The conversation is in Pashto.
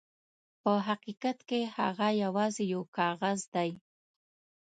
په حقیقت کې هغه یواځې یو کاغذ دی.